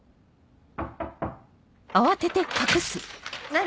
何？